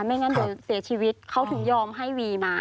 ไม่งั้นเดี๋ยวเสียชีวิตเขาถึงยอมให้วีมา